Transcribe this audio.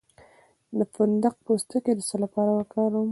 د فندق پوستکی د څه لپاره وکاروم؟